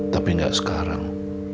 tapi gak sekarang